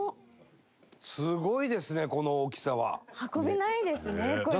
運べないですねこれは。